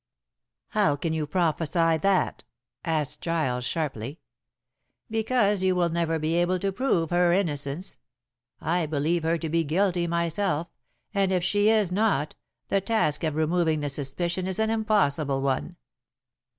"How can you prophesy that?" asked Giles sharply. "Because you will never be able to prove her innocence. I believe her to be guilty myself, and if she is not, the task of removing the suspicion is an impossible one.